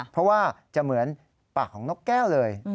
เพราะว่าจะเหมือนปากของนกแก้วเลย